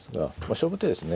勝負手ですね。